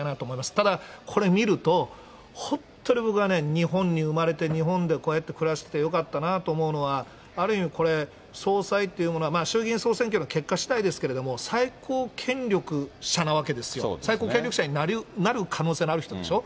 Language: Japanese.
ただ、これ見ると、本当に僕はね、日本に生まれて日本でこうやって暮らしてよかったなぁと思うのは、ある意味、これ、総裁っていうものは、衆議院総選挙の結果しだいですけれども、最高権力者なわけですよ、最高権力者になる可能性のある人でしょ？